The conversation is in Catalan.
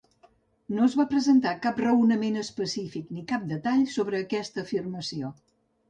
No es va presentar cap raonament específic ni cap detall sobre aquesta afirmació.